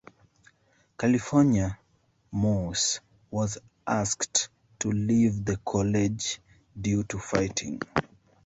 "California" Morse, was asked to leave the college due to fighting.